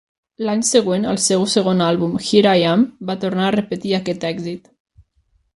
L'any següent, el seu segon àlbum "Here I Am" va tornar a repetir aquest èxit.